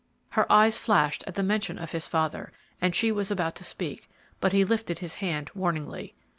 '" Her eyes flashed at the mention of his father, and she was about to speak, but he lifted his hand warningly.